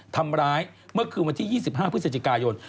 ทำร้ายเมื่อคืนวันที่๒๕พฤศจิกายน